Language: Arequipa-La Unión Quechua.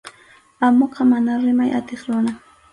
Amuqa mana rimay atiq runam.